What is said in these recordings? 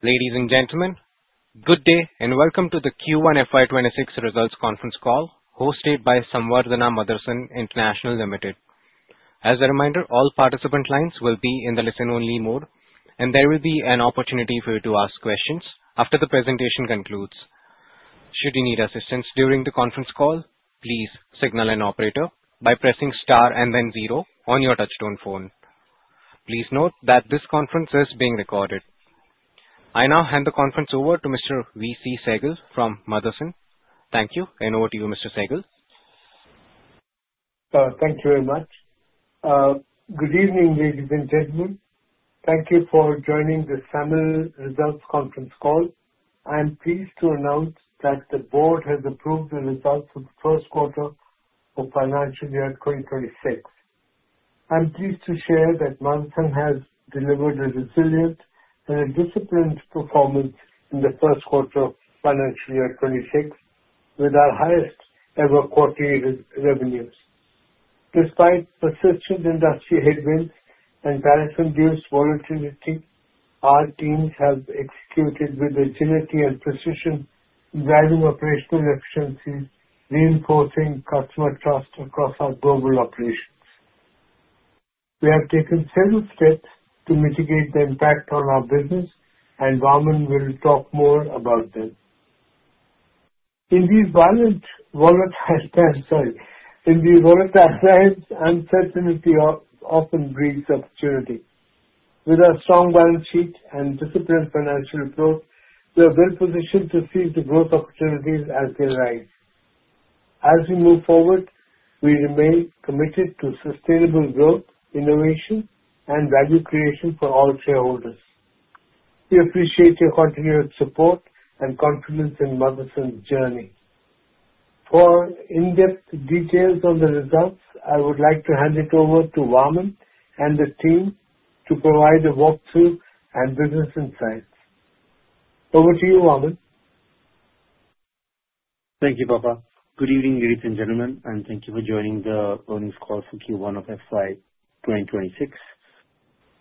Ladies and gentlemen, good day and welcome to the Q1 FY 2026 results conference call hosted by Samvardhana Motherson International Limited. As a reminder, all participant lines will be in the listen-only mode, and there will be an opportunity for you to ask questions after the presentation concludes. Should you need assistance during the conference call, please signal an Operator by pressing star and then zero on your touchstone phone. Please note that this conference is being recorded. I now hand the conference over to Mr. V.C. Sehgal from Motherson. Thank you. Over to you, Mr. Sehgal. Thank you very much. Good evening, ladies and gentlemen. Thank you for joining the SAMIL results conference call. I am pleased to announce that the Board has approved the results for the first quarter of financial year 2026. I am pleased to share that Motherson has delivered a resilient and disciplined performance in the first quarter of financial year 2026 with our highest ever quarterly revenues. Despite persistent industry headwinds and financial growth volatility, our teams have executed with agility and precision, valuing operational efficiency, reinforcing customer trust across our global operations. We have taken several steps to mitigate the impact on our business, and Vaaman will talk more about them. In these violent uncertainties that often breed opportunity, with our strong balance sheet and disciplined financial approach, we are well positioned to seize the growth opportunities as they arise. As we move forward, we remain committed to sustainable growth, innovation, and value creation for all shareholders. We appreciate your continued support and confidence in Motherson's journey. For in-depth details on the results, I would like to hand it over to Vaaman and the team to provide a walkthrough and business insights. Over to you, Vaaman. Thank you, Papa. Good evening, ladies and gentlemen, and thank you for joining the earnings call for Q1 of FY 2026.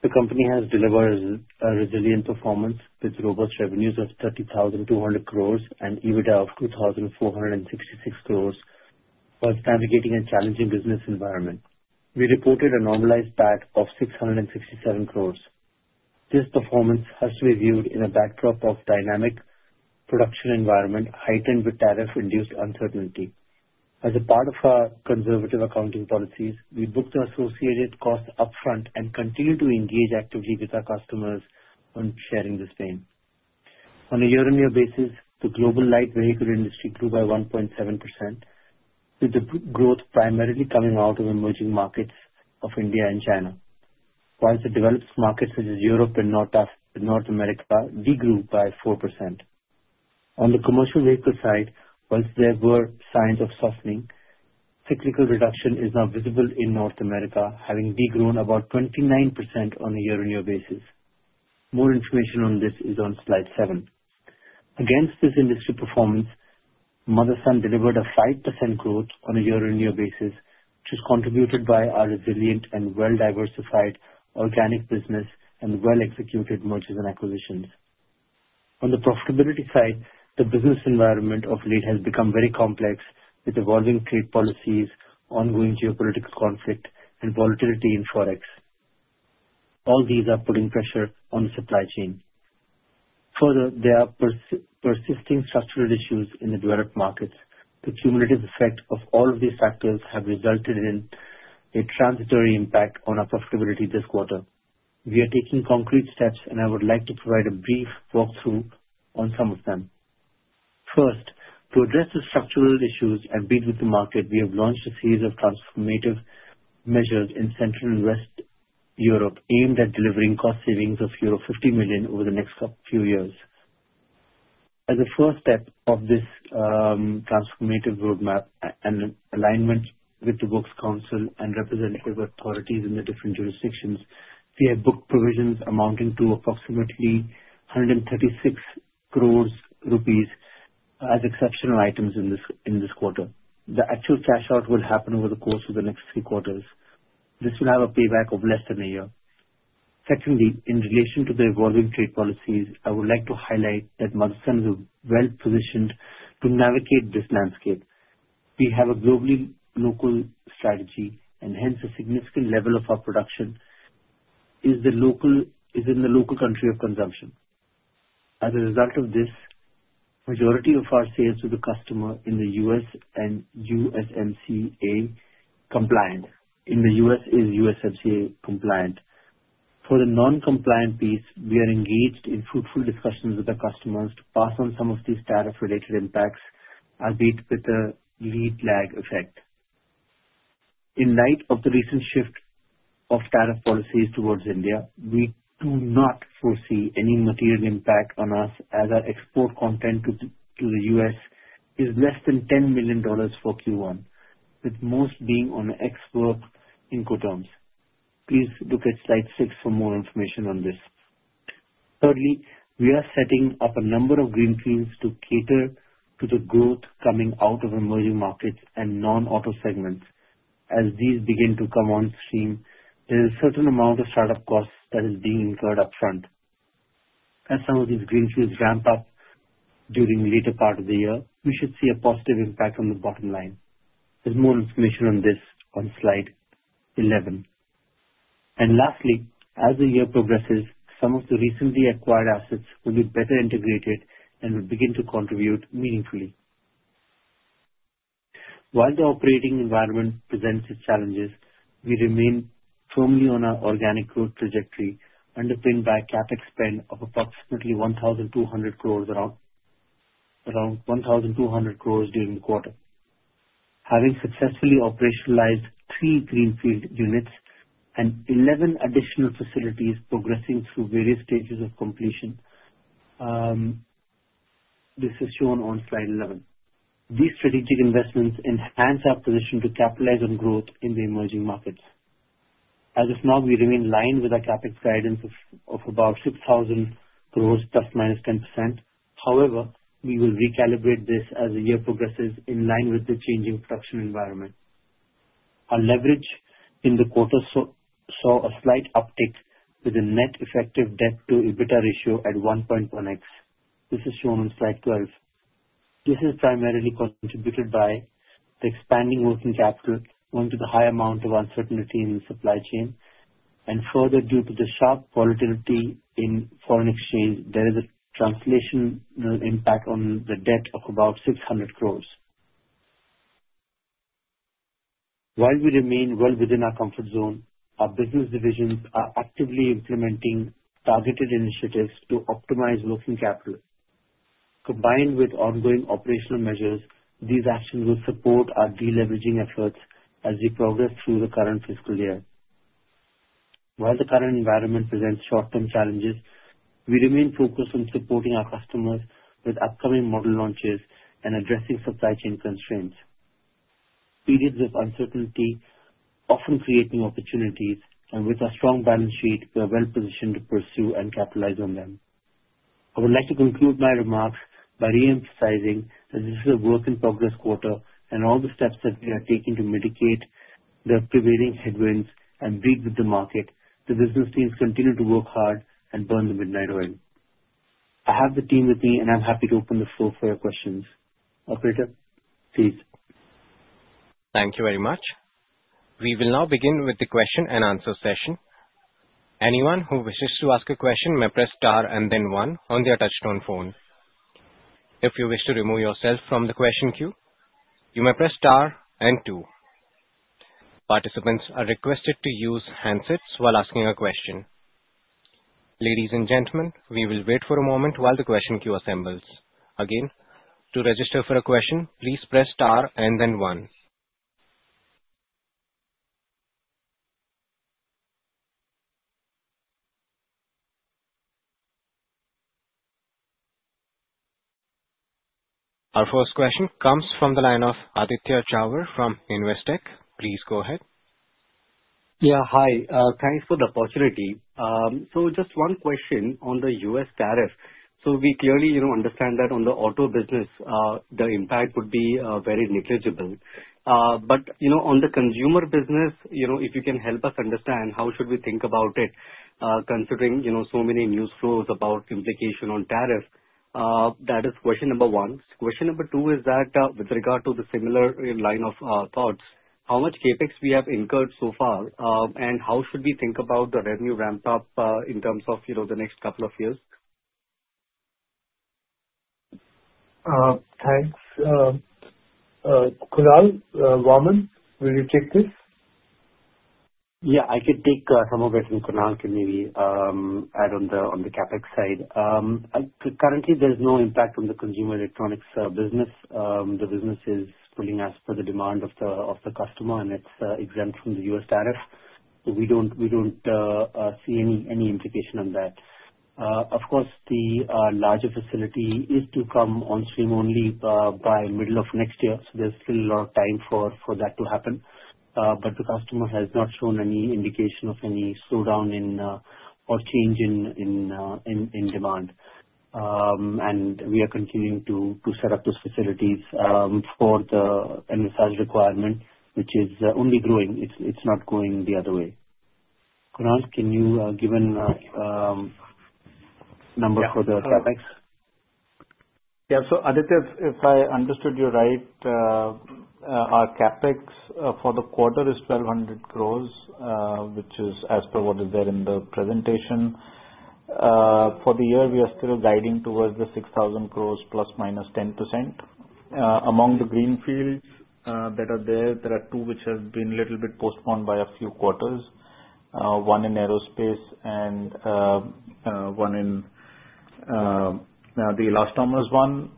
The company has delivered a resilient performance with robust revenues of 30,200 crore and EBITDA of 2,466 crore, while navigating a challenging business environment. We reported a normalized PAT of 667 crore. This performance has to be viewed in a backdrop of dynamic production environment heightened with tariff-induced uncertainty. As a part of our conservative accounting policies, we booked our associated costs upfront and continue to engage actively with our customers on sharing this pain. On a year-on-year basis, the global light vehicle industry grew by 1.7%, with the growth primarily coming out of emerging markets of India and China, while the developed markets such as Europe and North America degrew by 4%. On the commercial vehicle side, once there were signs of softening, cyclical reduction is now visible in North America, having degrown about 29% on a year-on-year basis. More information on this is on slide seven. Against this industry performance, Motherson delivered a 5% growth on a year-on-year basis, which is contributed by our resilient and well-diversified organic business and well-executed mergers and acquisitions. On the profitability side, the business environment of late has become very complex with evolving trade policies, ongoing geopolitical conflict, and volatility in forex. All these are putting pressure on the supply chain. Further, there are persisting structural issues in the developed markets. The cumulative effect of all of these factors has resulted in a transitory impact on our profitability this quarter. We are taking concrete steps, and I would like to provide a brief walkthrough on some of them. First, to address the structural issues and breathe with the market, we have launched a series of transformative measures in Central and West Europe aimed at delivering cost savings of euro 50 million over the next few years. As a first step of this transformative roadmap and alignment with the Works Council and representative authorities in the different jurisdictions, we have booked provisions amounting to approximately 136 crore rupees as exceptional items in this quarter. The actual cash out will happen over the course of the next three quarters. This will have a payback of less than a year. Secondly, in relation to the evolving trade policies, I would like to highlight that Motherson is well positioned to navigate this landscape. We have a globally local strategy, and hence a significant level of our production is in the local country of consumption. As a result of this, the majority of our sales to the customer in the U.S. are USMCA compliant. In the U.S., it is USMCA compliant. For the non-compliant piece, we are engaged in fruitful discussions with our customers to pass on some of these tariff-related impacts as they fit the lead lag effect. In light of the recent shift of tariff policies towards India, we do not foresee any material impact on us as our export content to the U.S. is less than $10 million for Q1, with most being on export in cottons. Please look at slide six for more information on this. Thirdly, we are setting up a number of greenfield projects to cater to the growth coming out of emerging markets and non-auto segments. As these begin to come on stream, there is a certain amount of startup costs that is being incurred upfront. As some of these greenfields ramp up during the later part of the year, we should see a positive impact on the bottom line. There is more information on this on slide 11. Lastly, as the year progresses, some of the recently acquired assets will be better integrated and will begin to contribute meaningfully. While the operating environment presents its challenges, we remain firmly on our organic growth trajectory underpinned by a CapEx spend of approximately 1,200 crores, around 1,200 during the quarter. Having successfully operationalized three greenfield units and 11 additional facilities progressing through various stages of completion, this is shown on slide 11. These strategic investments enhance our position to capitalize on growth in the emerging markets. As of now, we remain aligned with our CapEx guidance of about 6,000 crores, ±10%. However, we will recalibrate this as the year progresses in line with the changing production environment. Our leverage in the quarter saw a slight uptick with a net debt-to-EBITDA ratio at 1.1x. This is shown on slide 12. This is primarily contributed by the expanding working capital, owing to the high amount of uncertainty in the supply chain, and further due to the sharp volatility in foreign exchange, there is a translational impact on the debt of about 600 crores. While we remain well within our comfort zone, our business divisions are actively implementing targeted initiatives to optimize working capital. Combined with ongoing operational measures, these actions will support our deleveraging efforts as we progress through the current fiscal year. While the current environment presents short-term challenges, we remain focused on supporting our customers with upcoming model launches and addressing supply chain constraints. Periods of uncertainty often create new opportunities, and with our strong balance sheet, we are well positioned to pursue and capitalize on them. I would like to conclude my remarks by reemphasizing that this is a work in progress quarter and all the steps that we are taking to mitigate the prevailing headwinds and breathe with the market. The business teams continue to work hard and burn the midnight oil. I have the team with me, and I'm happy to open the floor for your questions. Operator, please. Thank you very much. We will now begin with the question and answer session. Anyone who wishes to ask a question may press star and then one on their touchstone phone. If you wish to remove yourself from the question queue, you may press star and two. Participants are requested to use handsets while asking a question. Ladies and gentlemen, we will wait for a moment while the question queue assembles. Again, to register for a question, please press star and then one. Our first question comes from the line of Aditya Jhawar from Investec. Please go ahead. Yeah, hi. Thanks for the opportunity. Just one question on the U.S. tariff. We clearly understand that on the auto business, the impact would be very negligible. On the consumer business, if you can help us understand how should we think about it, considering so many news flows about implication on tariffs, that is question number one. Question number two is that with regard to the similar line of thoughts, how much CapEx we have incurred so far, and how should we think about the revenue ramp-up in terms of the next couple of years? Thanks. Kunal, Vaaman, will you take this? Yeah, I can take some of it, and Kunal can maybe add on the CapEx side. Currently, there's no impact on the consumer electronics business. The business is pulling as per the demand of the customer, and it's exempt from the U.S. tariffs. We don't see any implication on that. Of course, the larger facility is to come on stream only by the middle of next year. There's still a lot of time for that to happen. The customer has not shown any indication of any slowdown in or change in demand. We are continuing to set up those facilities for the envisaged requirement, which is only growing. It's not going the other way. Kunal, can you give a number for the CapEx? Yeah. So Aditya, if I understood you right, our CapEx for the quarter is 1,200 crore, which is as per what is there in the presentation. For the year, we are still guiding towards the 6,000 crore ±10%. Among the greenfield projects that are there, there are two which have been a little bit postponed by a few quarters, one in aerospace and one in the elastomers one.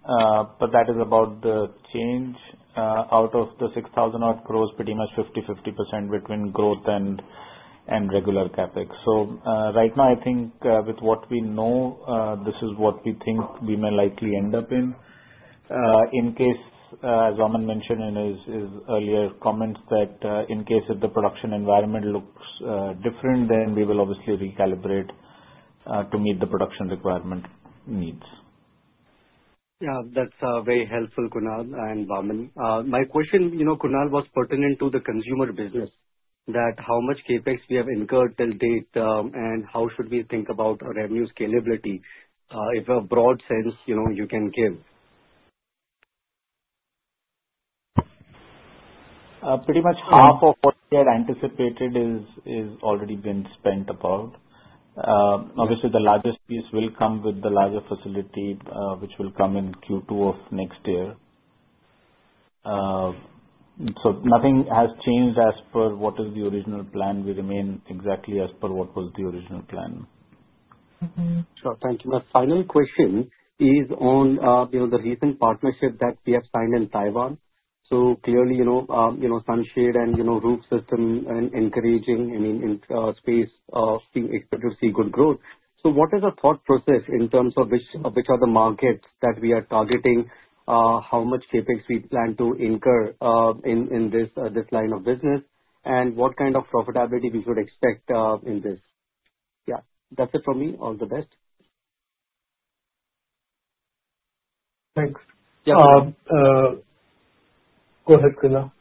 That is about the change out of the 6,000 crore, pretty much 50%, 50% between growth and regular CapEx. Right now, I think with what we know, this is what we think we may likely end up in. In case, as Vaaman mentioned in his earlier comments, that in case if the production environment looks different, we will obviously recalibrate to meet the production requirement needs. Yeah, that's very helpful, Kunal and Vaaman. My question, you know, Kunal, was pertinent to the consumer business, that how much CapEx we have incurred till date and how should we think about our revenue scalability if a broad sense, you know, you can give? Pretty much half of what we had anticipated has already been spent about. Obviously, the largest piece will come with the larger facility, which will come in Q2 of next year. Nothing has changed as per what is the original plan. We remain exactly as per what was the original plan. Thank you. My final question is on the recent partnership that we have signed in Taiwan. Clearly, sunshade and roof system and encouraging, I mean, in space of being expected to see good growth. What is our thought process in terms of which are the markets that we are targeting, how much CapEx we plan to incur in this line of business, and what kind of profitability we should expect in this? That's it for me. All the best. Thanks. Yeah. Go ahead, Kunal.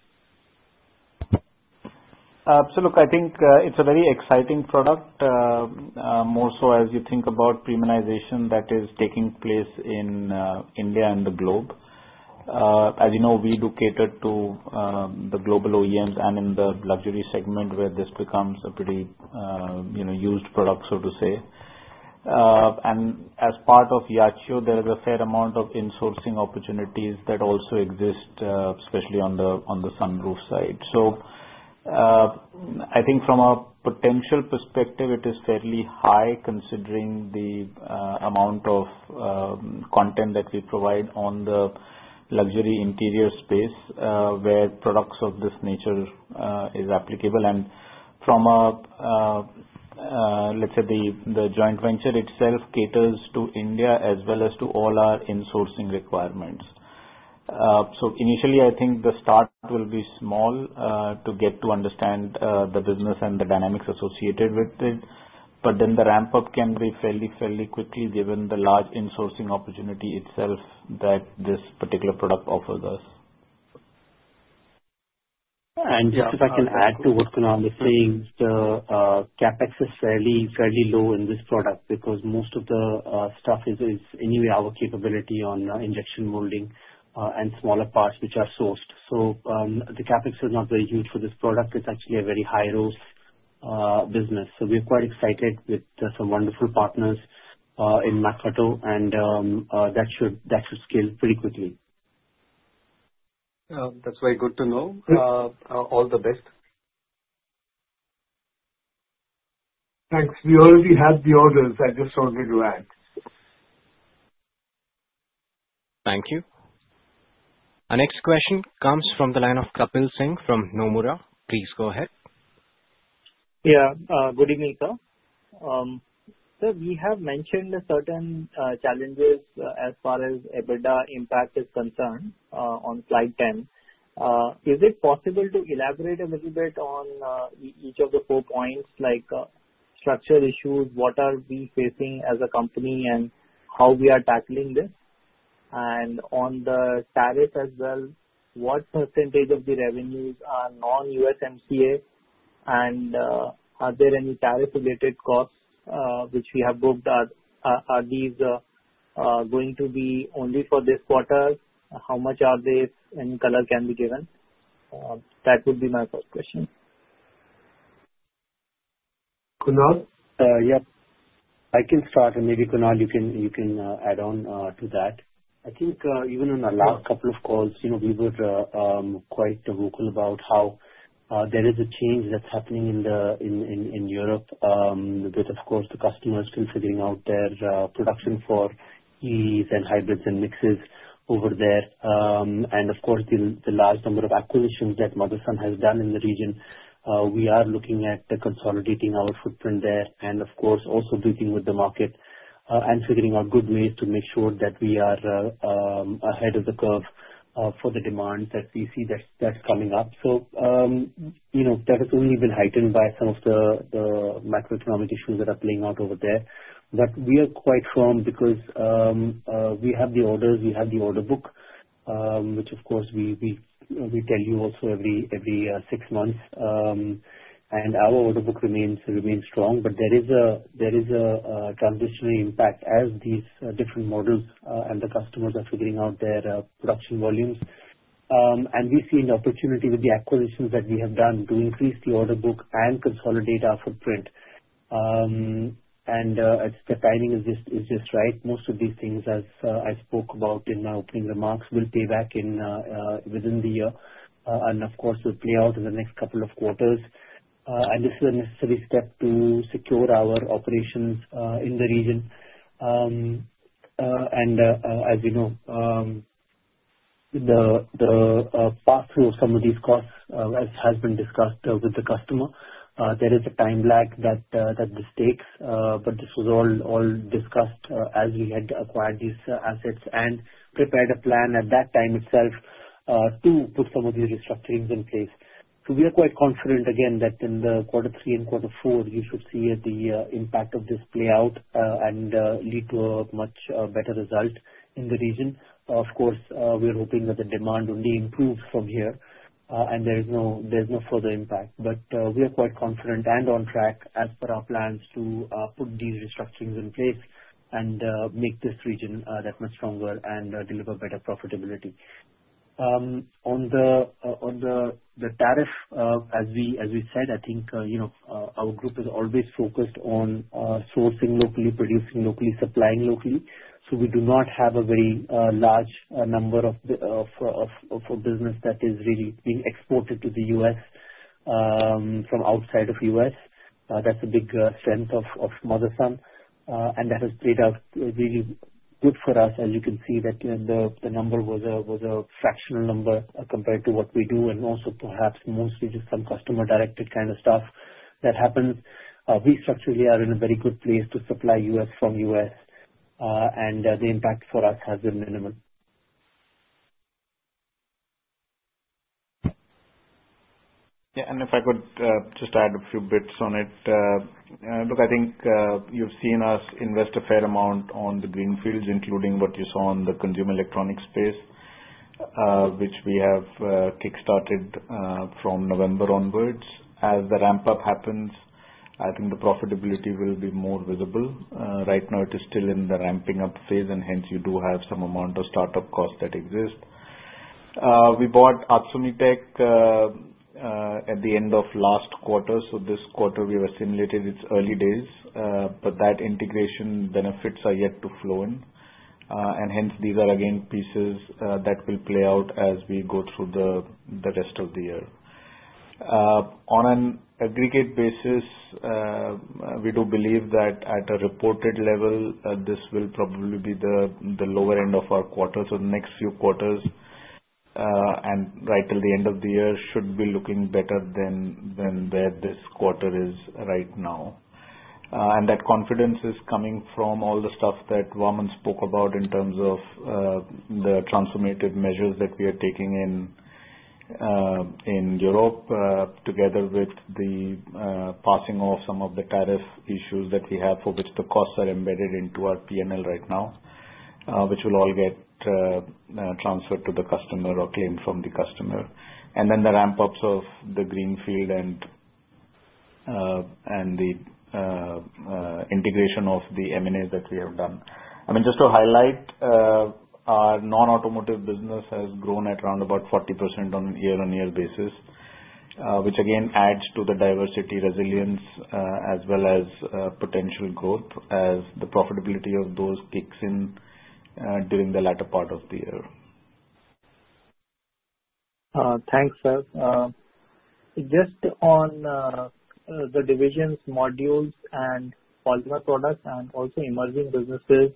I think it's a very exciting product, more so as you think about premiumization that is taking place in India and the globe. As you know, we do cater to the global OEMs and in the luxury segment where this becomes a pretty, you know, used product, so to say. As part of Yachiyo, there is a fair amount of insourcing opportunities that also exist, especially on the sunroof side. I think from a potential perspective, it is fairly high considering the amount of content that we provide on the luxury interior space where products of this nature are applicable. From a, let's say, the joint venture itself caters to India as well as to all our insourcing requirements. Initially, I think the start will be small to get to understand the business and the dynamics associated with it. The ramp-up can be fairly, fairly quickly given the large insourcing opportunity itself that this particular product offers us. Yeah. If I can add to what Kunal was saying, the CapEx is fairly, fairly low in this product because most of the stuff is anyway our capability on injection molding and smaller parts which are sourced. The CapEx is not very huge for this product. It's actually a very ROCE business. We are quite excited with some wonderful partners in Macauto, and that should scale pretty quickly. That's very good to know. All the best. Thanks. We already have the orders. I just wanted to add. Thank you. Our next question comes from the line of Kapil Singh from Nomura. Please go ahead. Yeah. Good evening, sir. Sir, we have mentioned certain challenges as far as EBITDA impact is concerned on slide 10. Is it possible to elaborate a little bit on each of the four points, like structural issues, what are we facing as a company, and how we are tackling this? On the tariff as well, what % of the revenues are non-USMCA, and are there any tariff-related costs which we have booked? Are these going to be only for this quarter? How much are they? Any color can be given. That would be my first question. Kunal? Yes, I can start, and maybe Kunal, you can add on to that. I think even in the last couple of calls, we were quite vocal about how there is a change that's happening in Europe. Of course, the customer is still figuring out their production for EVs and hybrids and mixes over there. The large number of acquisitions that Motherson has done in the region, we are looking at consolidating our footprint there, and also breathing with the market and figuring out good ways to make sure that we are ahead of the curve for the demand that we see that's coming up. That has only been heightened by some of the macroeconomic issues that are playing out over there. We are quite strong because we have the orders, we have the order book, which we tell you also every six months. Our order book remains strong. There is a transitional impact as these different models and the customers are figuring out their production volumes. We see an opportunity with the acquisitions that we have done to increase the order book and consolidate our footprint. The timing is just right. Most of these things, as I spoke about in my opening remarks, will pay back within the year and will play out in the next couple of quarters. This is a necessary step to secure our operations in the region. As you know, the path through some of these costs has been discussed with the customer. There is a time lag that this takes, but this was all discussed as we had acquired these assets and prepared a plan at that time itself to put some of these restructurings in place. We are quite confident, again, that in quarter three and quarter four, you should see the impact of this play out and lead to a much better result in the region. We're hoping that the demand only improves from here, and there's no further impact. We are quite confident and on track as per our plans to put these restructurings in place and make this region that much stronger and deliver better profitability. On the tariff, as we said, our group is always focused on sourcing locally, producing locally, supplying locally. We do not have a very large number of business that is really being exported to the U.S. from outside of the U.S. That's a big strength of Motherson, and that has played out really good for us. As you can see, the number was a fractional number compared to what we do, and also perhaps mostly just some customer-directed kind of stuff that happens. We structurally are in a very good place to supply U.S. from U.S., and the impact for us has been minimal. Yeah. If I could just add a few bits on it. Look, I think you've seen us invest a fair amount on the greenfields, including what you saw in the consumer electronics space, which we have kickstarted from November onwards. As the ramp-up happens, I think the profitability will be more visible. Right now, it is still in the ramping up phase, and hence you do have some amount of startup costs that exist. We bought Atsumitec at the end of last quarter. This quarter, we have assimilated its early days, but that integration benefits are yet to flow in. These are, again, pieces that will play out as we go through the rest of the year. On an aggregate basis, we do believe that at a reported level, this will probably be the lower end of our quarter. The next few quarters and right till the end of the year should be looking better than where this quarter is right now. That confidence is coming from all the stuff that Vaaman spoke about in terms of the transformative measures that we are taking in Europe, together with the passing of some of the tariff issues that we have for which the costs are embedded into our P&L right now, which will all get transferred to the customer or claimed from the customer. The ramp-ups of the greenfield and the integration of the M&A that we have done will also contribute. Just to highlight, our non-automotive business has grown at around about 40% on a year-on-year basis, which again adds to the diversity, resilience, as well as potential growth as the profitability of those kicks in during the latter part of the year. Thanks, sir. Just on the divisions, modules, and polymer products, and also emerging businesses,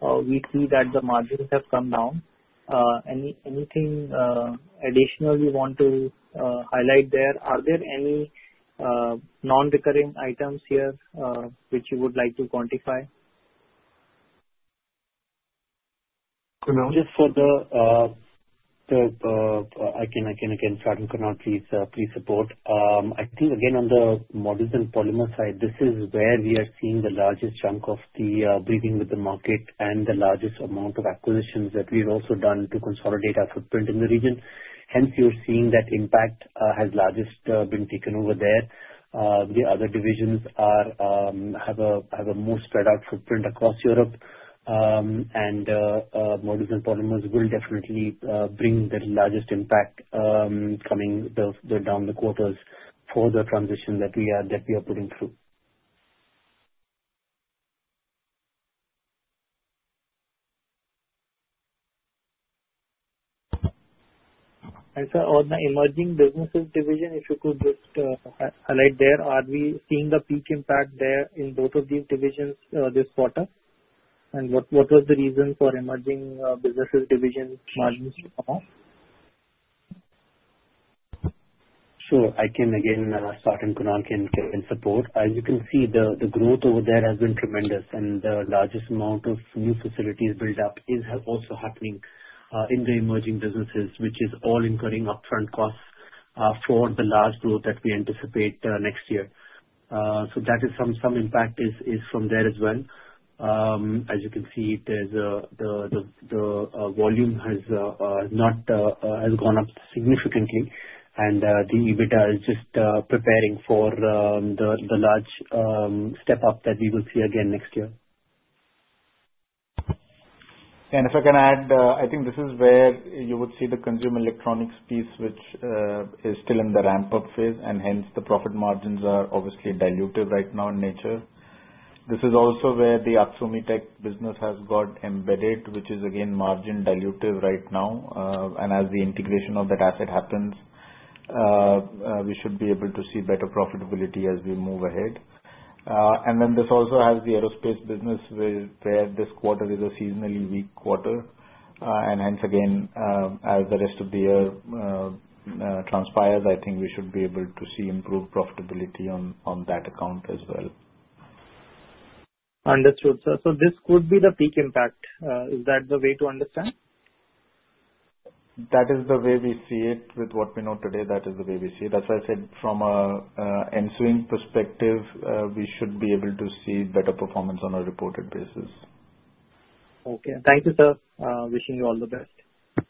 we see that the margins have come down. Anything additional you want to highlight there? Are there any non-recurring items here which you would like to quantify? Just for the I can again chat and cannot read, please support. I think, again, on the models and polymer side, this is where we are seeing the largest chunk of the breathing with the market and the largest amount of acquisitions that we've also done to consolidate our footprint in the region. Hence, you're seeing that impact has largely been taken over there. The other divisions have a more spread-out footprint across Europe. Models and polymers will definitely bring the largest impact coming down the quarters for the transition that we are putting through. Sir, on the Emerging Businesses division, if you could just highlight there, are we seeing the peak impact there in both of these divisions this quarter? What was the reason for Emerging Businesses division margins to come up? Sure. I can again start and Kunal can support. As you can see, the growth over there has been tremendous, and the largest amount of new facilities build-up is also happening in the emerging businesses, which is all incurring upfront costs for the large growth that we anticipate next year. That is some impact from there as well. As you can see, the volume has not gone up significantly, and the EBITDA is just preparing for the large step-up that we will see again next year. Yeah. If I can add, I think this is where you would see the consumer electronics piece, which is still in the ramp-up phase, and hence the profit margins are obviously diluted right now in nature. This is also where the Atsumitec business has got embedded, which is again margin diluted right now. As the integration of that asset happens, we should be able to see better profitability as we move ahead. This also has the aerospace business where this quarter is a seasonally weak quarter. Hence, as the rest of the year transpires, I think we should be able to see improved profitability on that account as well. Understood, sir. This could be the peak impact. Is that the way to understand? That is the way we see it with what we know today. That is the way we see it. As I said, from an ensuing perspective, we should be able to see better performance on a reported basis. Okay. Thank you, sir. Wishing you all the best.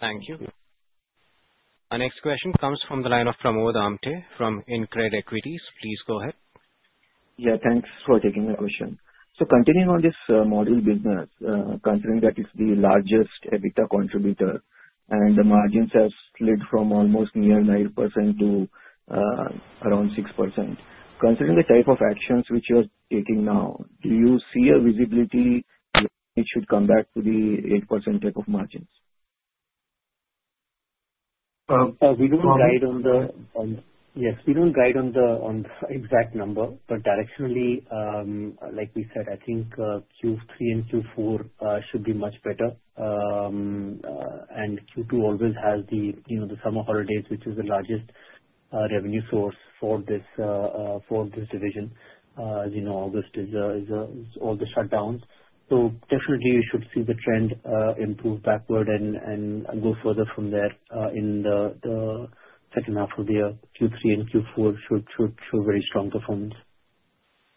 Thank you. Our next question comes from the line of Pramod Amthe from InCred Equities. Please go ahead. Thank you for taking the question. Continuing on this module business, considering that it's the largest EBITDA contributor, and the margins have slid from almost near 9% to around 6%, considering the type of actions which you're taking now, do you see a visibility that it should come back to the 8% type of margins? We don't guide on the exact number, but directionally, like we said, I think Q3 and Q4 should be much better. Q2 always has the summer holidays, which is the largest revenue source for this division. As you know, August is all the shutdowns. You should see the trend improve backward and go further from there in the second half of the year. Q3 and Q4 should show very strong performance.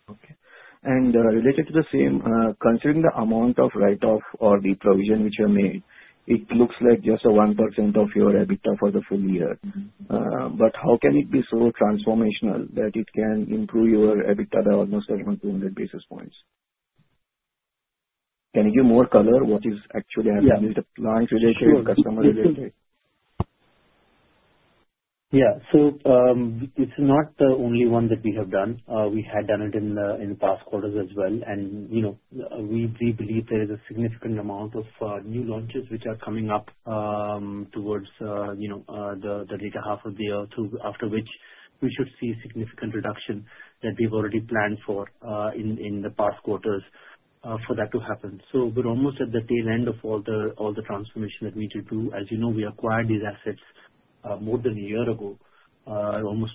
Okay. Related to the same, considering the amount of write-off or the provision which are made, it looks like just 1% of your EBITDA for the full year. How can it be so transformational that it can improve your EBITDA by almost around 200 basis points? Can you give more color? What is actually happening? Is it branch-related or customer-related? Yeah. It's not the only one that we have done. We had done it in the past quarters as well. We believe there is a significant amount of new launches which are coming up towards the later half of the year, after which we should see a significant reduction that we've already planned for in the past quarters for that to happen. We're almost at the tail end of all the transformation that we need to do. As you know, we acquired these assets more than a year ago, almost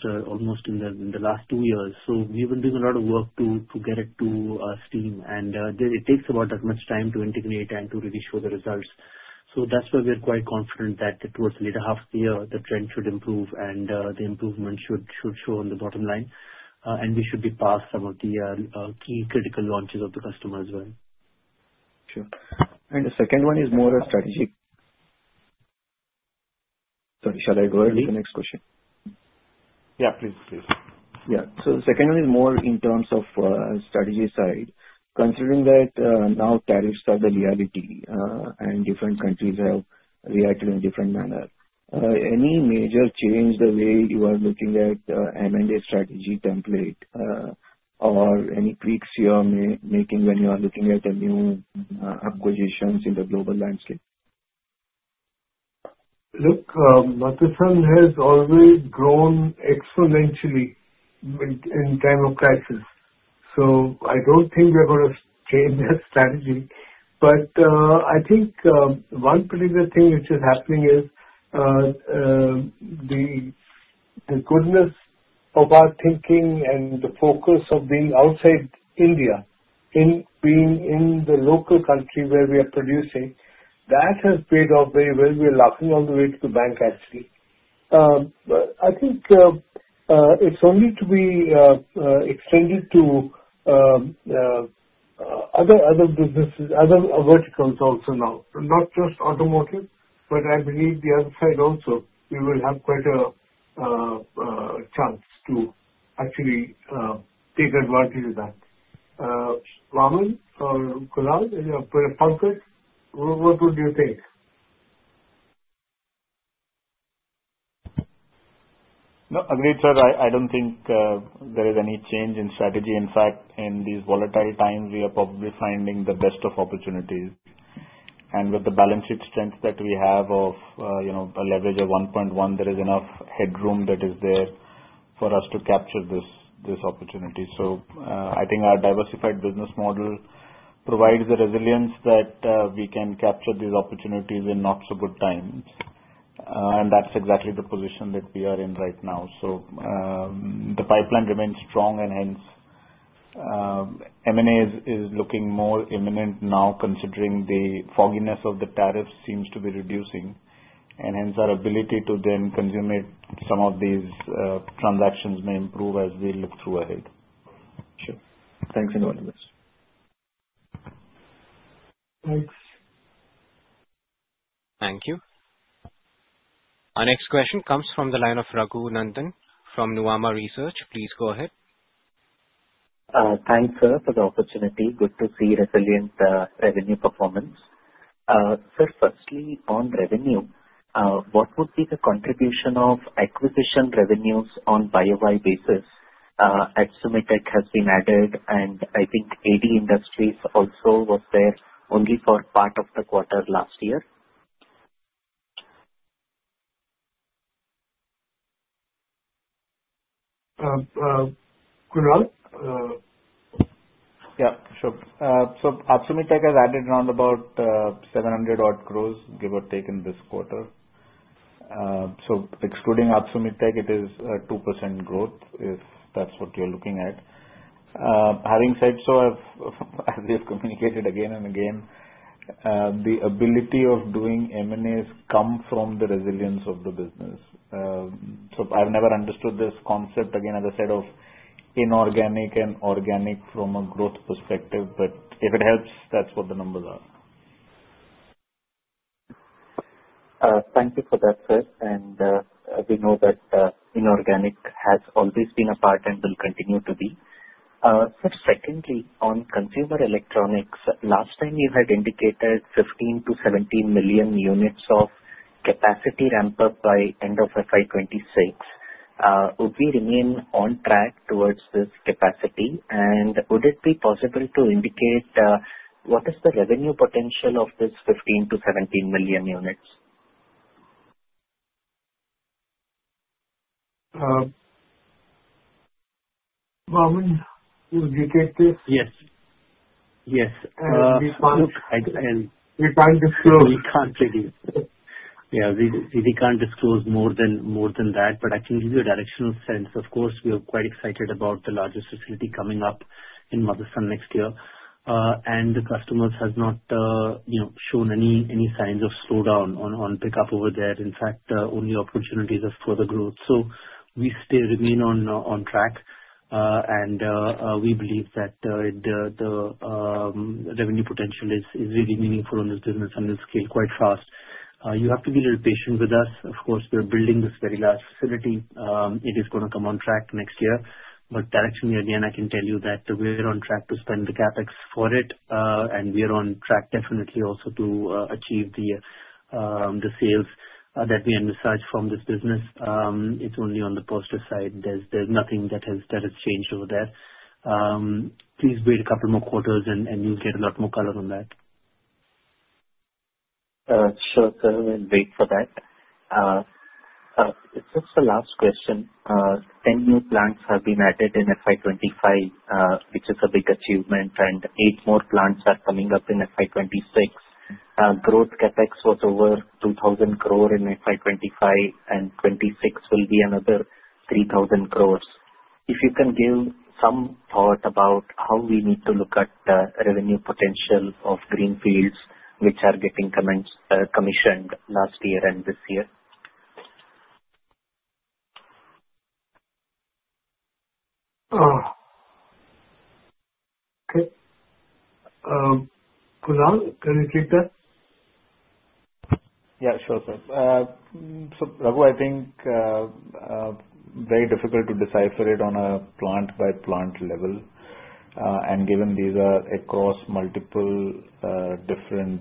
in the last two years. We've been doing a lot of work to get it to steam. It takes about that much time to integrate and to really show the results. That's why we're quite confident that towards the later half of the year, the trend should improve and the improvement should show on the bottom line. We should be past some of the key critical launches of the customer as well. Sure. The second one is more strategic. Sorry, shall I go ahead to the next question? Yeah, please. The second one is more in terms of strategy side. Considering that now tariffs are the reality and different countries have reacted in a different manner, any major change the way you are looking at M&A strategy template or any tweaks you are making when you are looking at the new acquisitions in the global landscape? Look, Motherson has already grown exponentially in time of crisis. I don't think we're going to change that strategy. I think one particular thing which is happening is the goodness of our thinking and the focus of being outside India and being in the local country where we are producing. That has paid off very well. We are laughing all the way to the bank, actually. I think it's only to be extended to other businesses, other verticals also now, not just automotive, but I believe the other side also, we will have quite a chance to actually take advantage of that. Vaaman or Kunal, your focus, what would you take? Agreed, sir. I don't think there is any change in strategy. In fact, in these volatile times, we are probably finding the best of opportunities. With the balance sheet strength that we have of, you know, a leverage of 1.1x, there is enough headroom that is there for us to capture this opportunity. I think our diversified business model provides the resilience that we can capture these opportunities in not-so-good times. That's exactly the position that we are in right now. The pipeline remains strong, and hence, M&A is looking more imminent now considering the fogginess of the tariffs seems to be reducing. Hence, our ability to then consume some of these transactions may improve as we move through ahead. Thanks a lot. Thanks. Thank you. Our next question comes from the line of Raghu Nandhan from Nuvama Research. Please go ahead. Thanks, sir, for the opportunity. Good to see resilient revenue performance. Sir, firstly, on revenue, what would be the contribution of acquisition revenues on a YoY basis? Atsumitec has been added, and I think AD Industries also was there only for part of the quarter last year. Yeah, sure. Atsumitec has added around 700 crore, give or take, in this quarter. Excluding Atsumitec, it is a 2% growth if that's what you're looking at. Having said so, as we have communicated again and again, the ability of doing M&As comes from the resilience of the business. I've never understood this concept, again, as I said, of inorganic and organic from a growth perspective. If it helps, that's what the numbers are. Thank you for that, sir. We know that inorganic has always been a part and will continue to be. Sir, secondly, on consumer electronics, last time you had indicated 15 million-17 million units of capacity ramp-up by end of FY 2026. Would we remain on track towards this capacity? Would it be possible to indicate what is the revenue potential of this 15 million-17 million units? Vaaman, could you repeat this? Yes. Yes, we can't disclose. Yeah, we can't disclose more than that. I can give you a directional sense. Of course, we are quite excited about the largest facility coming up in Motherson next year. The customers have not shown any signs of slowdown on pickup over there. In fact, only opportunities are for the growth. We still remain on track, and we believe that the revenue potential is really meaningful on this business and will scale quite fast. You have to be a little patient with us. We're building this very large facility. It is going to come on track next year. I can tell you that we're on track to spend the CapEx for it, and we're on track definitely also to achieve the sales that we have in research from this business. It's only on the positive side. There's nothing that has changed over there. Please wait a couple more quarters and you'll get a lot more color on that. Sure, sir. We'll wait for that. Just the last question. 10 new plants have been added in FY 2025, which is a big achievement, and eight more plants are coming up in FY 2026. Growth CapEx was over 2,000 crores in FY 2025, and 2026 will be another 3,000 crores. If you can give some thought about how we need to look at the revenue potential of greenfields which are getting commissioned last year and this year. Okay. Kunal, can you take that? Yeah, sure, sir. I think very difficult to decipher it on a plant-by-plant level. Given these are across multiple different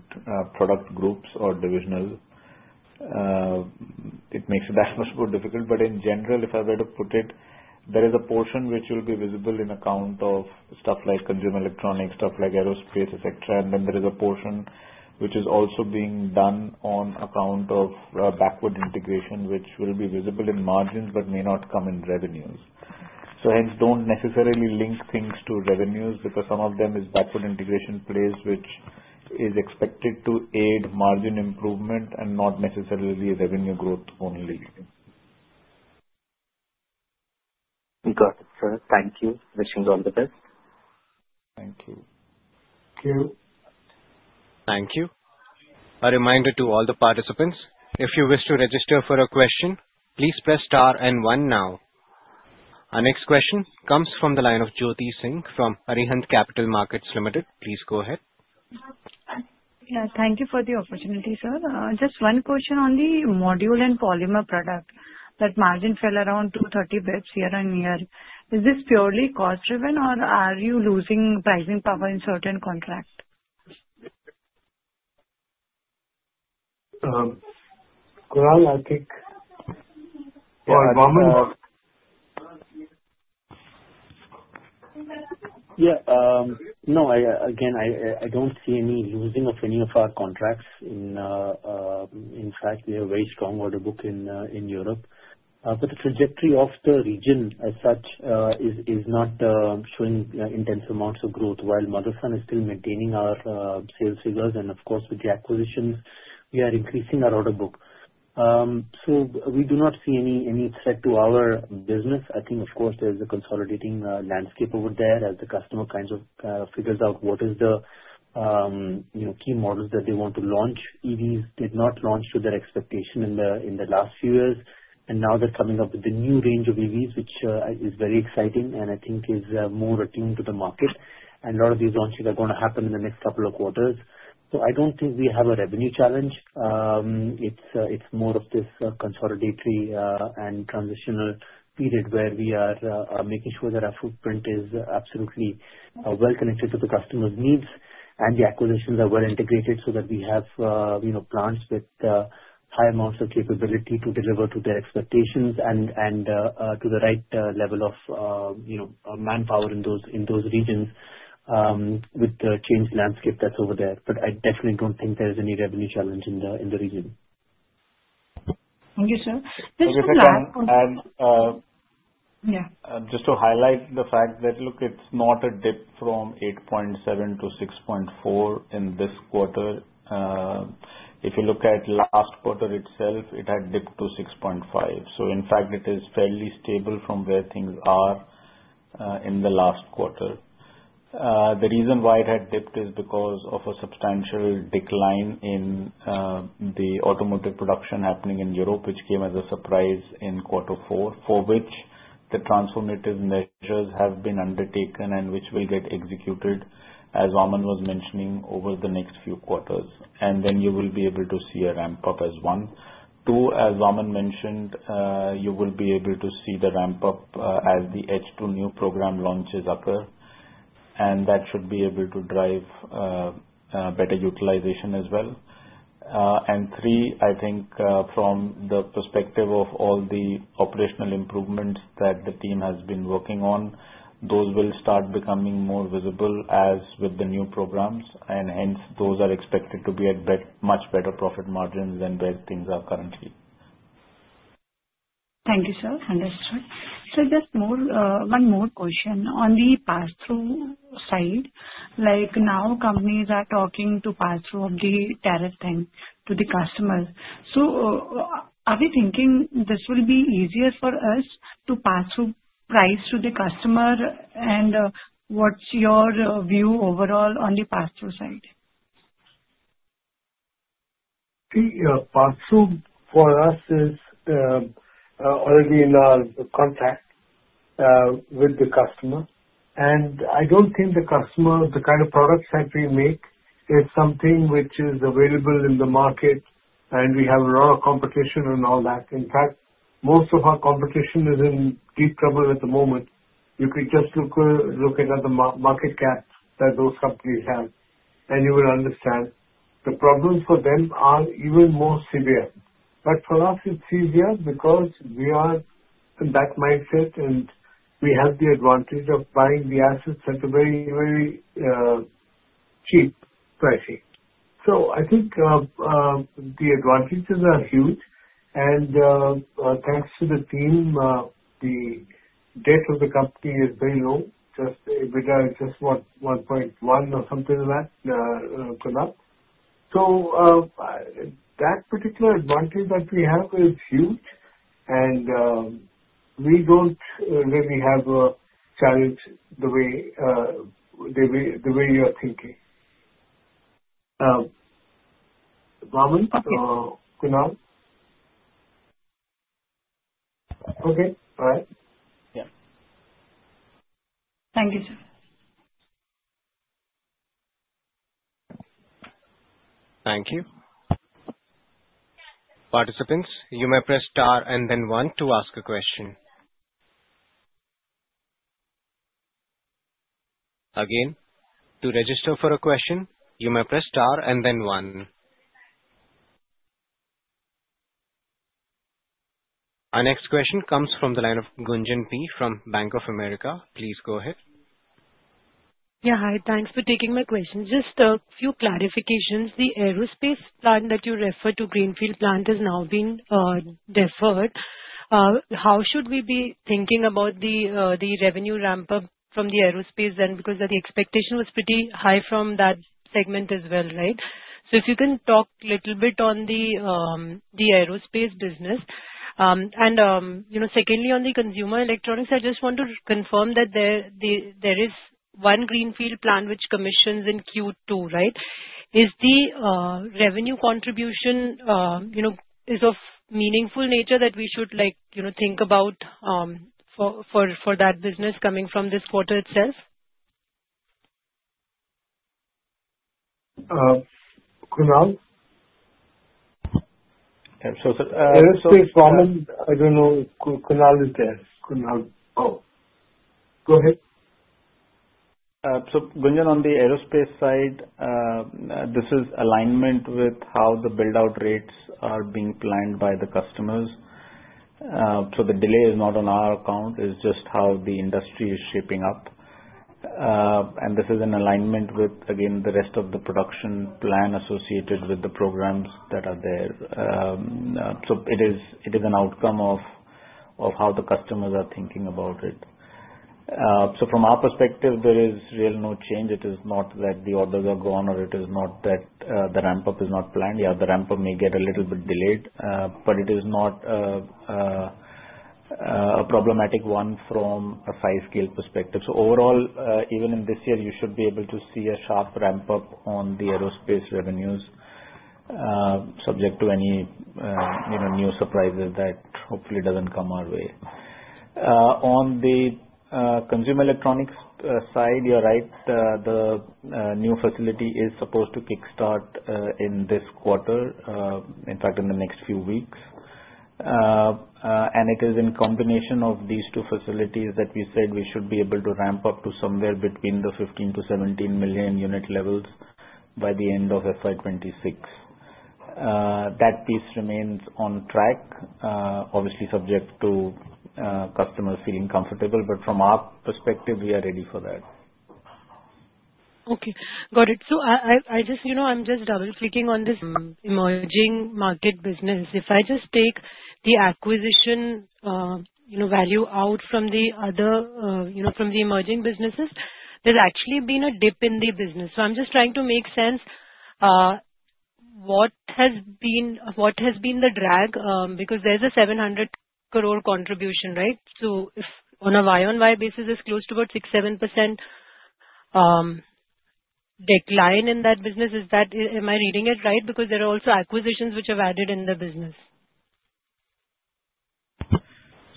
product groups or divisional, it makes it that much more difficult. In general, if I were to put it, there is a portion which will be visible in account of stuff like consumer electronics, stuff like aerospace, etc. There is a portion which is also being done on account of backward integration which will be visible in margins but may not come in revenues. Hence, don't necessarily link things to revenues because some of them is backward integration plays which is expected to aid margin improvement and not necessarily revenue growth only. We got it, sir. Thank you. Wishing you all the best. Thank you. Thank you. Thank you. A reminder to all the participants, if you wish to register for a question, please press star and one now. Our next question comes from the line of Jyoti Singh from Arihant Capital Markets Limited. Please go ahead. Thank you for the opportunity, sir. Just one question on the module and polymer products division. That margin fell around 230 bps year on year. Is this purely cost-driven or are you losing pricing power in certain contracts? Yeah. No, again, I don't see any losing of any of our contracts. In fact, we have a very strong order book in Europe. The trajectory of the region as such is not showing intense amounts of growth while Motherson is still maintaining our sales figures. With the acquisitions, we are increasing our order book. We do not see any threat to our business. I think, of course, there is a consolidating landscape over there as the customer kind of figures out what is the key models that they want to launch. EVs did not launch to their expectation in the last few years. Now they're coming up with a new range of EVs, which is very exciting and I think is more attuned to the market. A lot of these launches are going to happen in the next couple of quarters. I don't think we have a revenue challenge. It's more of this consolidatory and transitional period where we are making sure that our footprint is absolutely well connected to the customer's needs. The acquisitions are well integrated so that we have, you know, plants with high amounts of capability to deliver to their expectations and to the right level of, you know, manpower in those regions with the changed landscape that's over there. I definitely don't think there's any revenue challenge in the region. Thank you, sir. Okay, sir. Just to highlight the fact that it's not a dip from 8.7%- 6.4% in this quarter. If you look at last quarter itself, it had dipped to 6.5%. In fact, it is fairly stable from where things are in the last quarter. The reason why it had dipped is because of a substantial decline in the automotive production happening in Europe, which came as a surprise in quarter four, for which the transformative measures have been undertaken and which will get executed, as Vaaman was mentioning, over the next few quarters. You will be able to see a ramp-up as one. Two, as Vaaman mentioned, you will be able to see the ramp-up as the H2 new program launches occur. That should be able to drive better utilization as well. Three, I think from the perspective of all the operational improvements that the team has been working on, those will start becoming more visible with the new programs. Hence, those are expected to be at much better profit margins than where things are currently. Thank you, sir. Understood. Just one more question. On the pass-through side, like now companies are talking to pass-through of the tariff thing to the customers. Are we thinking this will be easier for us to pass-through price to the customer? What's your view overall on the pass-through side? Yeah, pass-through for us is already in our contract with the customer. I don't think the customer, the kind of products that we make, is something which is available in the market and we have raw competition and all that. In fact, most of our competition is in deep trouble at the moment. You could just look at the market gap that those companies have, and you will understand the problems for them are even more severe. For us, it's easier because we are in that mindset and we have the advantage of buying the assets at a very, very cheap pricing. I think the advantages are huge. Thanks to the team, the debt of the company is very low. Just EBITDA is just 1.1x or something like that per month. That particular advantage that we have is huge. We don't really have a challenge the way you are thinking. Vaaman or Kunal? Okay. Fine. Yeah. Thank you, sir. Thank you. Participants, you may press star and then one to ask a question. Again, to register for a question, you may press star and then one. Our next question comes from the line of Gunjan P. from Bank of America. Please go ahead. Yeah, hi. Thanks for taking my question. Just a few clarifications. The aerospace plant that you referred to, the greenfield plant, has now been deferred. How should we be thinking about the revenue ramp-up from the aerospace then? Because the expectation was pretty high from that segment as well, right? If you can talk a little bit on the aerospace business. Secondly, on the consumer electronics, I just want to confirm that there is one greenfield plant which commissions in Q2, right? Is the revenue contribution, you know, of meaningful nature that we should, like, you know, think about for that business coming from this quarter itself? Kunal? Yeah, sure, sir. Aerospace, Vaaman, I don't know. Kunal will tell. Oh, go ahead. Gunjan, on the aerospace side, this is alignment with how the build-out rates are being planned by the customers. The delay is not on our account. It's just how the industry is shaping up. This is in alignment with the rest of the production plan associated with the programs that are there. It is an outcome of how the customers are thinking about it. From our perspective, there is really no change. It is not that the orders are gone or it is not that the ramp-up is not planned. Yeah, the ramp-up may get a little bit delayed, but it is not a problematic one from a size-scale perspective. Overall, even in this year, you should be able to see a sharp ramp-up on the aerospace revenues subject to any new surprises that hopefully doesn't come our way. On the consumer electronics side, you're right. The new facility is supposed to kickstart in this quarter, in fact, in the next few weeks. It is in combination of these two facilities that we said we should be able to ramp up to somewhere between the 15 million-17 million unit levels by the end of FY 2026. That piece remains on track, obviously subject to customers feeling comfortable. From our perspective, we are ready for that. Okay. Got it. I'm just double-clicking on this emerging market business. If I just take the acquisition value out from the other, from the emerging businesses, there's actually been a dip in the business. I'm just trying to make sense what has been the drag because there's a 700 crore contribution, right? If on a YoY basis, it's close to about 6%-7% decline in that business. Am I reading it right? There are also acquisitions which have added in the business.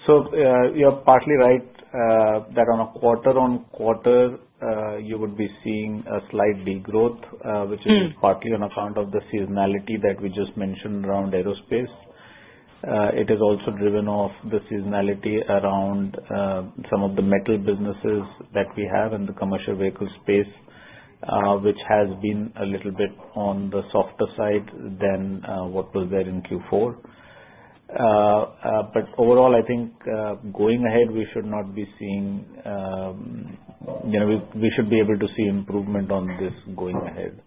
You're partly right that on a quarter-on-quarter, you would be seeing a slight degrowth, which is partly on account of the seasonality that we just mentioned around aerospace. It is also driven off the seasonality around some of the metal businesses that we have in the commercial vehicle space, which has been a little bit on the softer side than what was there in Q4. Overall, I think going ahead, we should not be seeing, you know, we should be able to see improvement on this going ahead.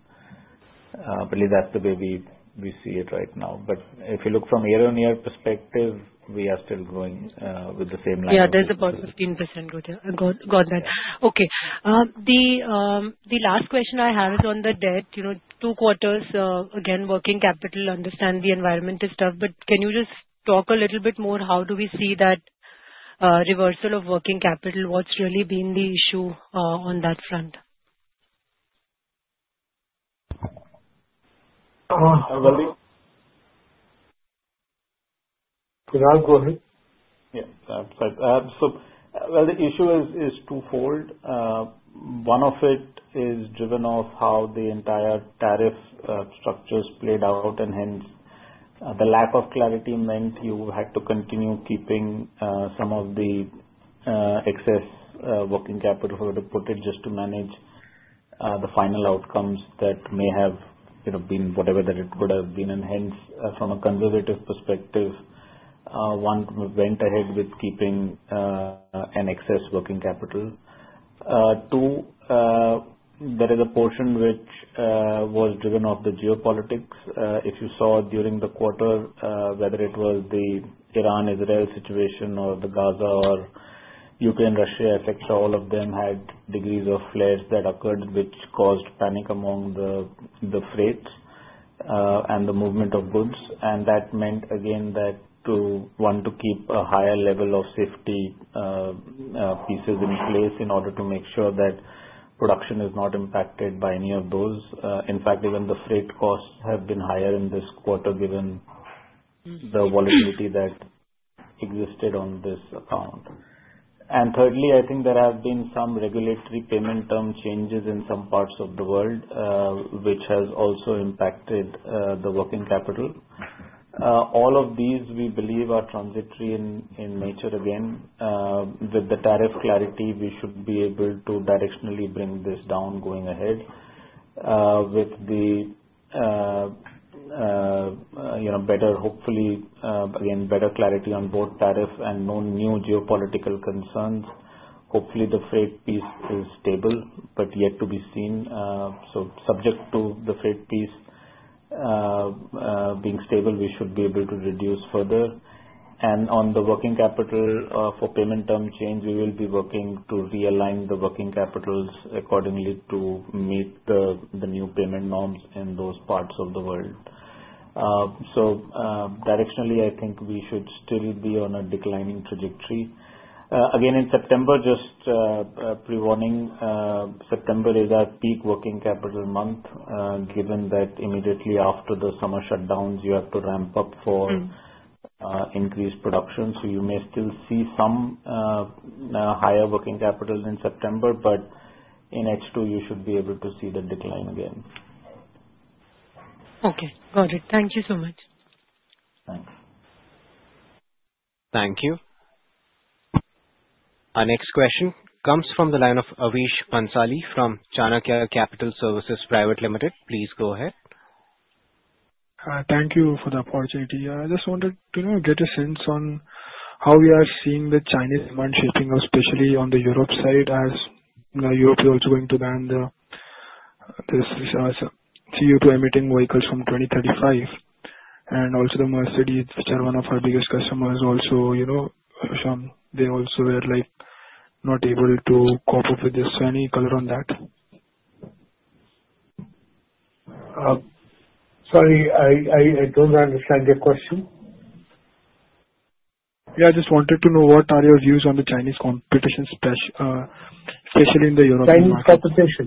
Really, that's the way we see it right now. If you look from a year-on-year perspective, we are still going with the same line. Yeah, that's about 15%. Got that. Okay. The last question I have is on the debt. You know, two quarters, again, working capital. Understand the environment is tough, but can you just talk a little bit more? How do we see that reversal of working capital? What's really been the issue on that front? Kunal, go ahead. Yeah. The issue is twofold. One of it is driven off how the entire tariff structure is played out. Hence, the lack of clarity meant you had to continue keeping some of the excess working capital, if I were to put it, just to manage the final outcomes that may have, you know, been whatever that it would have been. Hence, from a conservative perspective, one went ahead with keeping an excess working capital. Two, there is a portion which was driven off the geopolitics. If you saw during the quarter whether it was the Iran-Israel situation or the Gaza or Ukraine-Russia effects, all of them had degrees of flares that occurred, which caused panic among the freights and the movement of goods. That meant, again, that to want to keep a higher level of safety pieces in place in order to make sure that production is not impacted by any of those. In fact, even the freight costs have been higher in this quarter given the volatility that existed on this account. Thirdly, I think there have been some regulatory payment term changes in some parts of the world, which has also impacted the working capital. All of these, we believe, are transitory in nature. Again, with the tariff clarity, we should be able to directionally bring this down going ahead. With the, you know, better, hopefully, again, better clarity on both tariff and no new geopolitical concerns, hopefully, the freight piece is stable, but yet to be seen. Subject to the freight piece being stable, we should be able to reduce further. On the working capital for payment term change, we will be working to realign the working capitals accordingly to meet the new payment norms in those parts of the world. Directionally, I think we should still be on a declining trajectory. Again, in September, just pre-warning, September is that peak working capital month, given that immediately after the summer shutdowns, you have to ramp up for increased production. You may still see some higher working capital in September, but in H2, you should be able to see the decline again. Okay. Got it. Thank you so much. Thanks. Thank you. Our next question comes from the line of Avish Bhansali from Chanakya Capital Services Private Limited. Please go ahead. Thank you for the opportunity. I just wanted to get a sense on how we are seeing the Chinese demand shifting, especially on the Europe side, as Europe is also going to ban the CO2 emitting vehicles from 2035. Also, the Mercedes-Benz, which are one of our biggest customers, are not able to cope up with this. Any color on that? Sorry, I don't understand your question. I just wanted to know what are your views on the Chinese competition, especially in the Europe side. Chinese competition.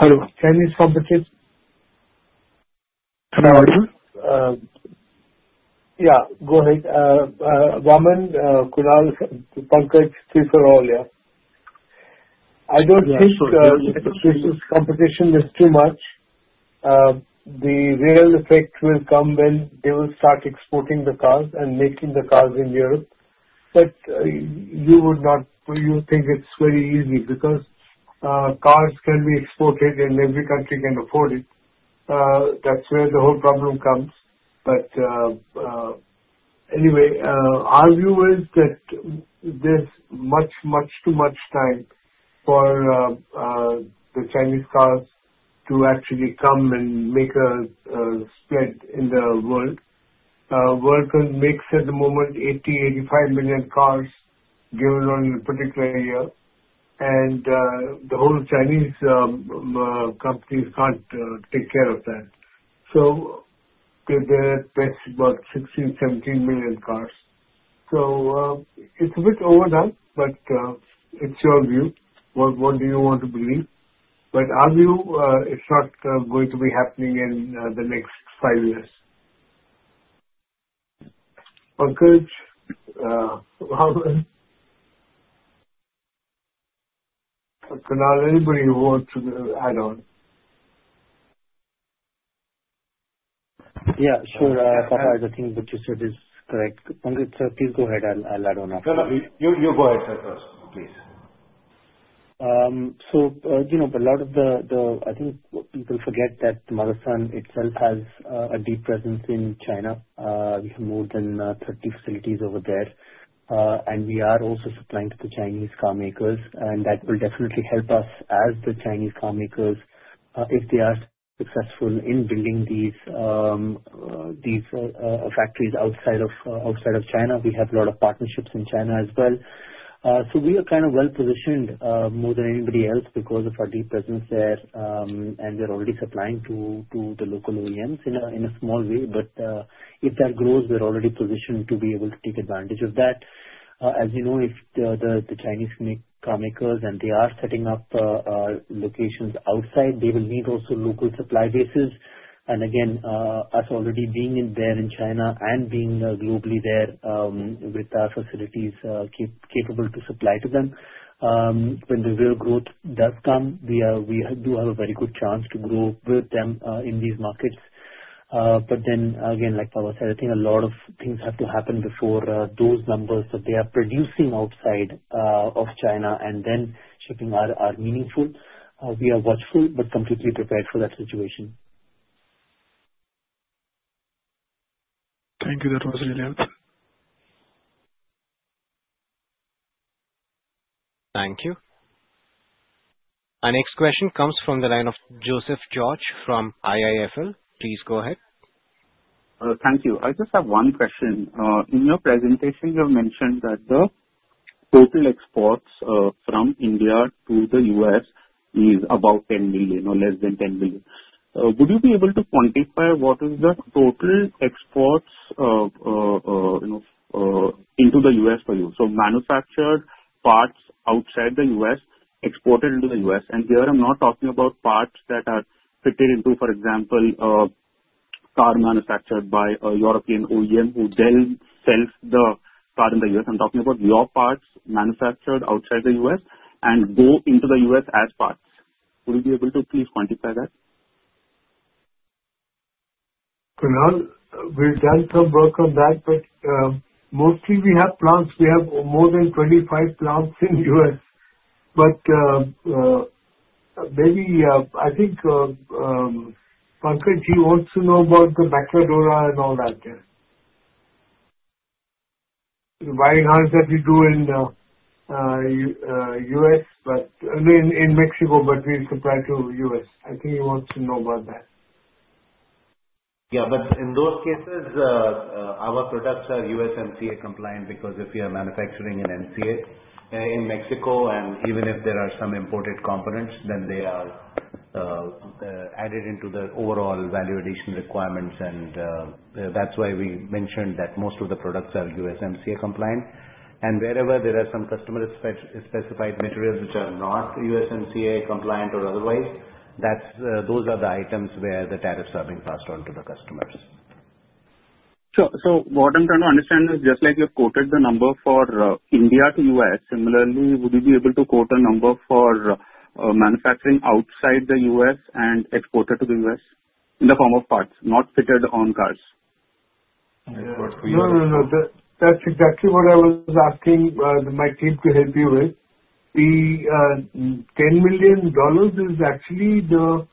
Hello. Chinese competition. Hello? Am I audible? Vaaman, Kunal, Pankaj, three for all, yeah. I don't think the Chinese competition is too much. The real effect will come when they will start exporting the cars and making the cars in Europe. You would not think it's very easy because cars can be exported and every country can afford it. That's where the whole problem comes. Anyway, our view is that there's much, much too much time for the Chinese cars to actually come and make a split in the world. Workman makes at the moment 80 million 85 million cars given on a particular year. The whole Chinese companies can't take care of that. They're pressed about 16 million, 17 million cars. It's a bit overdone, but it's your view. What do you want to believe? Our view is not going to be happening in the next five years. Okay. Kunal, anybody who wants to add on? Yeah, sure. Papa, I think what you said is correct. Pankaj, please go ahead. I'll add on after. You go ahead, sir. I think people forget that Motherson itself has a deep presence in China. We have more than 30 facilities over there, and we are also supplying to the Chinese carmakers. That will definitely help us if the Chinese carmakers are successful in building these factories outside of China. We have a lot of partnerships in China as well. We are kind of well positioned more than anybody else because of our deep presence there. We're already supplying to the local OEMs in a small way. If that grows, we're already positioned to be able to take advantage of that. As you know, if the Chinese carmakers are setting up locations outside, they will need also local supply bases. Us already being there in China and being globally there with our facilities capable to supply to them, when the real growth does come, we do have a very good chance to grow with them in these markets. I think a lot of things have to happen before those numbers that they are producing outside of China and then shipping are meaningful. We are watchful but completely prepared for that situation. Thank you, that was really helpful. Thank you. Our next question comes from the line of Joseph George from IIFL. Please go ahead. Thank you. I just have one question. In your presentation, you have mentioned that the total exports from India to the U.S. is about $10 million or less than $10 million. Would you be able to quantify what is the total exports into the U.S. for you? So manufactured parts outside the U.S. exported into the U.S. Here, I'm not talking about parts that are fitted into, for example, a car manufactured by a European OEM who sells the car in the U.S. I'm talking about your parts manufactured outside the U.S. and go into the U.S. as parts. Would you be able to please quantify that? We'll tell. We'll work on that. Mostly, we have plants. We have more than 25 plants in the U.S. Maybe I think, Pankaj, you want to know about the backorder and all that? Why not that we do in the U.S., but in Mexico, but we supply to the U.S.? I think he wants to know about that. In those cases, our products are USMCA compliant because if you are manufacturing an MCA in Mexico, and even if there are some imported components, they are added into the overall value addition requirements. That is why we mentioned that most of the products are USMCA compliant. Wherever there are some customer-specified materials which are not USMCA compliant or otherwise, those are the items where the tariffs are being passed on to the customers. Sure. What I'm trying to understand is just like you quoted the number for India to the U.S., similarly, would you be able to quote a number for manufacturing outside the U.S. and exported to the U.S. in the form of parts, not fitted on cars? No, no, no. That's exactly what I was asking my team to help you with. The $10 million is actually the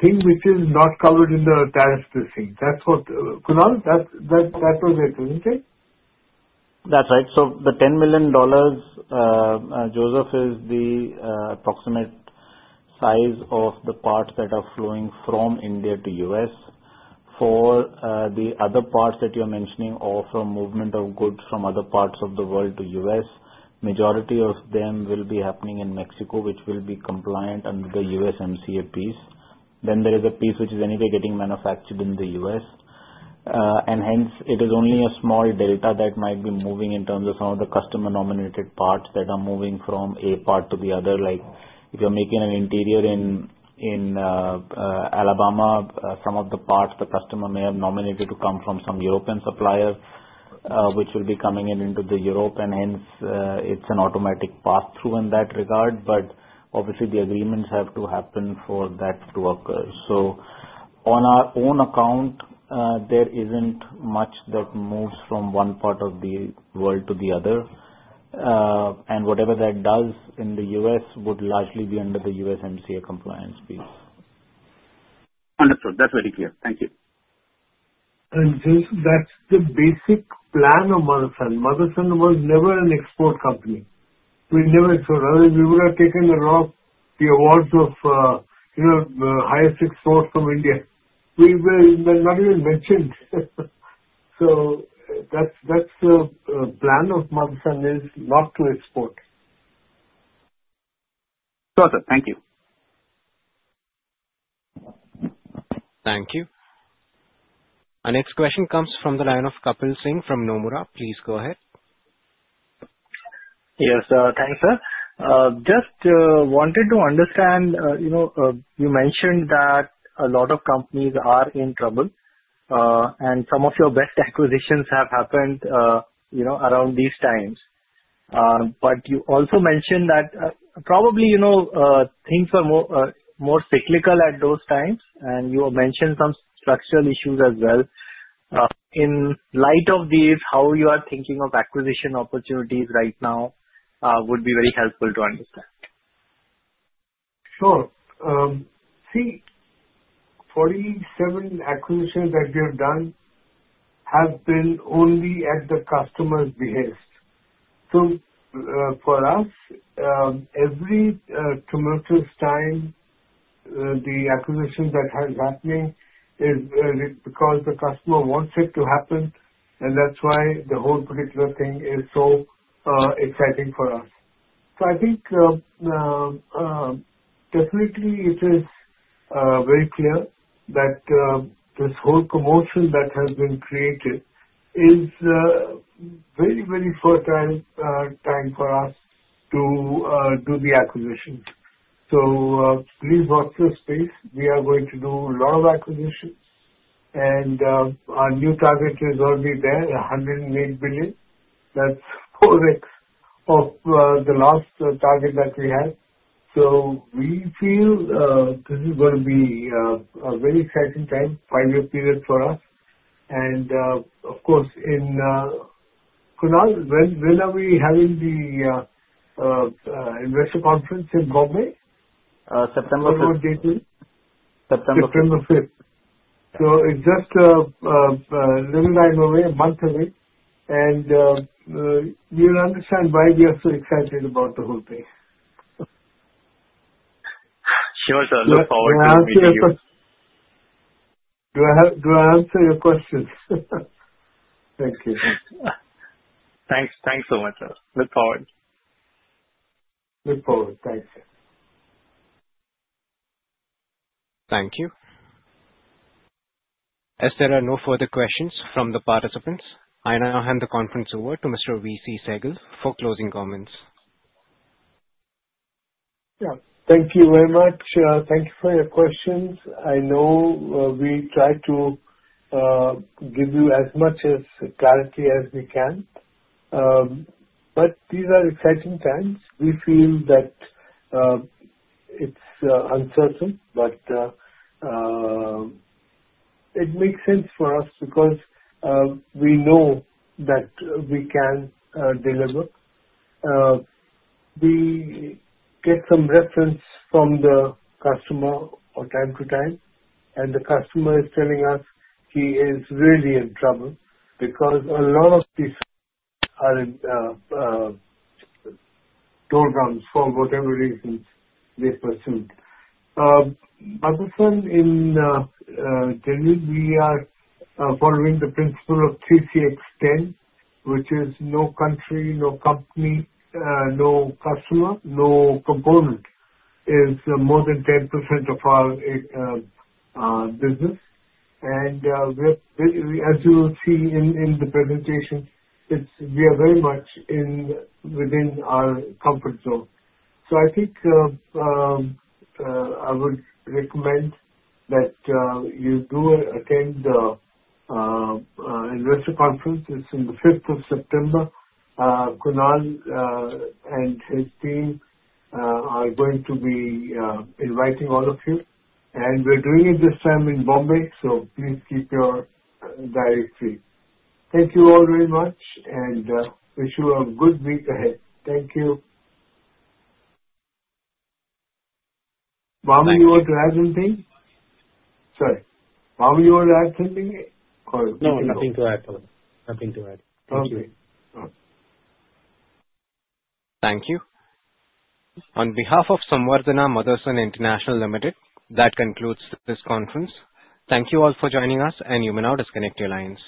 thing which is not covered in the tariffs listing. That's what Kunal, that was it, wasn't it? That's right. The $10 million, Joseph, is the approximate size of the parts that are flowing from India to the U.S. For the other parts that you're mentioning or from movement of goods from other parts of the world to the U.S., the majority of them will be happening in Mexico, which will be compliant under the USMCA piece. There is a piece which is anyway getting manufactured in the U.S., and hence, it is only a small delta that might be moving in terms of some of the customer-nominated parts that are moving from a part to the other. Like if you're making an interior in Alabama, some of the parts the customer may have nominated to come from some European supplier, which will be coming in into the Europe, and hence, it's an automatic pass-through in that regard. Obviously, the agreements have to happen for that to occur. On our own account, there isn't much that moves from one part of the world to the other, and whatever that does in the U.S. would largely be under the USMCA compliance fee. Understood. That's very clear. Thank you. That's the basic plan of Motherson. Motherson was never an export company. We never exported. We would have taken the raw awards of, you know, the highest exports from India. We were not even mentioned. The plan of Motherson is not to export. Got it. Thank you. Thank you. Our next question comes from the line of Kapil Singh from Nomura. Please go ahead. Yes, thanks, sir. Just wanted to understand, you know, you mentioned that a lot of companies are in trouble, and some of your best acquisitions have happened, you know, around these times. You also mentioned that probably, you know, things were more cyclical at those times, and you have mentioned some structural issues as well. In light of these, how you are thinking of acquisition opportunities right now would be very helpful to understand. Sure. See, 47 acquisitions that we have done have been only at the customer's behest. For us, every tumultuous time, the acquisition that has happened is because the customer wants it to happen. That's why the whole particular thing is so exciting for us. I think, definitely, it is very clear that this whole commotion that has been created is a very, very fertile time for us to do the acquisitions. Please watch this, please. We are going to do a lot of acquisitions. Our new target is already there, $180 billion. That's 4x of the last target that we had. We feel this is going to be a very exciting time, five-year period for us. Of course, Kunal, when are we having the investor conference in Mumbai? September 5th. September 5th is just a little time away, a month away. You'll understand why we are so excited about the whole thing. Sure, sir. Look forward to it. Did I answer your questions? Thank you. Thanks. Thanks so much, sir. Look forward. Look forward. Thanks, sir. Thank you. As there are no further questions from the participants, I now hand the conference over to Mr. V.C. Sehgal for closing comments. Thank you very much. Thank you for your questions. I know we try to give you as much clarity as we can. These are exciting times. We feel that it's uncertain, but it makes sense for us because we know that we can deliver. We get some reference from the customer from time to time, and the customer is telling us he is really in trouble because a lot of these are in doldrums for whatever reasons they pursued. As usual, in general, we are following the principle of 3CX10, which is no country, no company, no customer, no component is more than 10% of our business. We're really, as you will see in the presentation, very much within our comfort zone. I think I would recommend that you do attend the investor conference. It's on the 5th of September. Kunal and his team are going to be inviting all of you. We're doing it this time in Mumbai, so please keep your diaries free. Thank you all very much, and wish you a good week ahead. Thank you. Vaaman, you want to add anything? Sorry. Vaaman, you want to add something? No, I'm looking to add something. Nothing to add. Okay. Thank you. On behalf of Samvardhana Motherson International Limited, that concludes this conference. Thank you all for joining us, and you may now disconnect your lines.